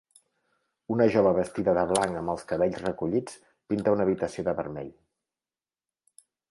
Una jove vestida de blanc amb els cabells recollits pinta una habitació de vermell.